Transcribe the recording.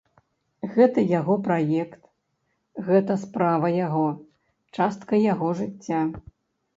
Гэта яго праект, гэта справа яго, частка яго жыцця.